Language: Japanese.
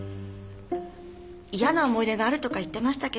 嫌な思い出があるとか言ってましたけど。